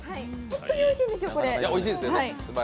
本当においしいんですよ、これ。